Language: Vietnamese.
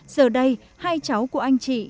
giờ đây hai cháu của anh chị